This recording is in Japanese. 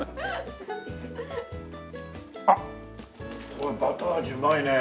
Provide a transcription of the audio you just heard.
あっこれバター味うまいね。